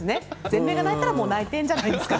全米が泣いたら泣いているんじゃないですか？